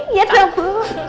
iya toh bu